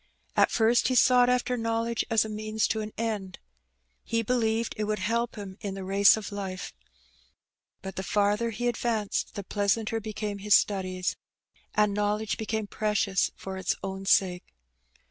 At first he sought after knowledge as a means to an end. He believed that it would help him in the race of life. But the farther he advanced the pleasanter became his studies, and knowledge became precious for its own sake.